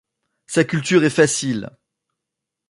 Sa culture est facile.